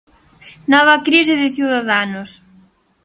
Nova crise de Ciudadanos.